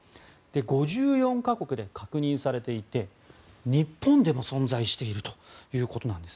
５４か国で確認されていて日本でも存在しているということです。